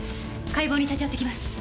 解剖に立ち会ってきます。